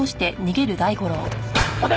待て！